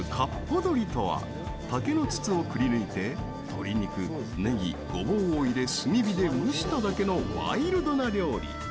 鶏とは竹の筒をくり抜いて鶏肉、ねぎ、ごぼうを入れ炭火で蒸しただけのワイルドな料理。